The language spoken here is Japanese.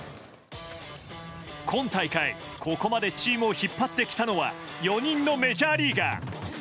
今大会、ここまでチームを引っ張ってきたのは４人のメジャーリーガー。